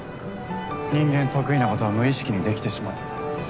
人間得意なことは無意識にできてしまう。